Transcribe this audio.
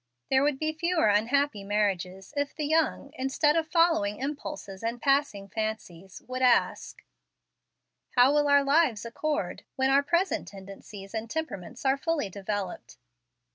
There would be fewer unhappy marriages if the young, instead of following impulses and passing fancies, would ask, How will our lives accord when our present tendencies and temperaments are fully developed?